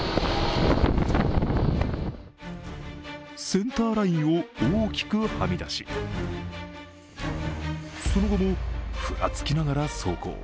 センターラインを大きくはみ出しその後もふらつきながら走行。